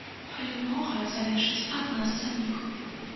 Але многае залежыць ад нас саміх.